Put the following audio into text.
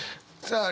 さあ